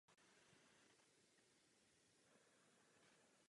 Po absolvování gymnázia vstoupil do premonstrátského kláštera v Praze na Strahově.